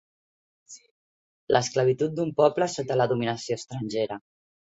L'esclavitud d'un poble sota la dominació estrangera.